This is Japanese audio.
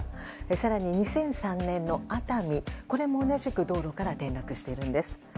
更に２００３年の熱海これも同じく道路から転落しています。